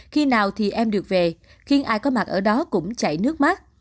khi nào thì em được về khiến ai có mặt ở đó cũng chảy nước mắt